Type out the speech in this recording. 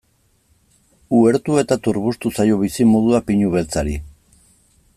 Uhertu eta turbustu zaio bizimodua pinu beltzari.